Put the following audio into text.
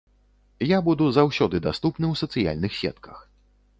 Я буду заўсёды даступны ў сацыяльных сетках.